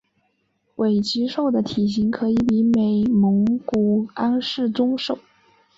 伟鬣兽的体型可以比美蒙古安氏中兽。